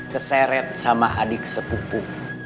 keseret sama adik sepupu